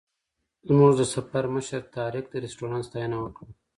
زموږ د سفر مشر طارق د رسټورانټ ستاینه وکړه.